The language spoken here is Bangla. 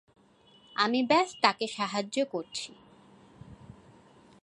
আমি ব্যস তাকে সাহায্য করছি।